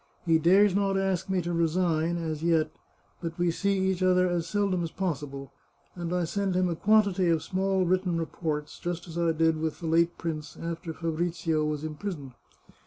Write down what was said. He dares not ask me to resign, as yet, but we see each other as seldom as possible, and I send him a quantity of small written reports, just as I did with the late prince after Fabrizio was imprisoned.